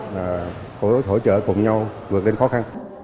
và hỗ trợ cùng nhau vượt lên khó khăn